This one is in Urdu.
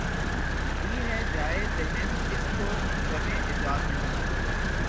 دی ہے جایے دہن اس کو دمِ ایجاد ’’ نہیں ‘‘